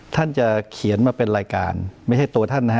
ท่านจะเขียนมาเป็นรายการไม่ใช่ตัวท่านนะฮะ